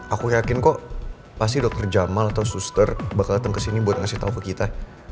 aku yakin kok pasti dokter jamal atau suster bakal datang ke sini buat ngasih tau ke kita